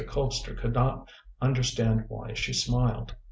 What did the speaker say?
Colpster could not understand why she smiled.